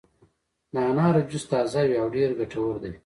د انارو جوس تازه وي او ډېر ګټور دی.